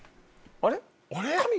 あれ？